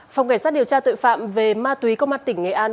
phòng cảnh sát điều tra tội phạm về ma túy công an tỉnh nghệ an